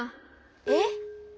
えっ？